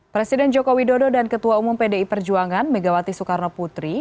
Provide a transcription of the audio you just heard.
presiden joko widodo dan ketua umum pdi perjuangan megawati soekarno putri